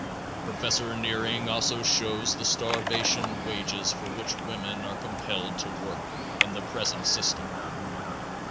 Professor Nearing also shows the starvation wages for which women are compelled to work in the present system.